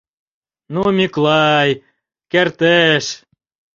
Ну, Мӱкла-ай, керте-эш...»